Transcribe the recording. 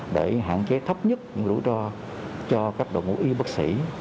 để hạn chế thấp nhất những rủi ro cho các đội ngũ y bác sĩ